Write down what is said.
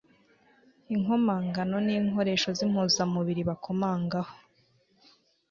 Inkomangano ni inkoresho z'impuzamuriri bakomangaho,